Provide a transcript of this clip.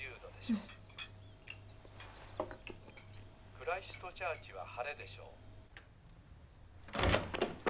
「クライストチャーチは晴れでしょう」。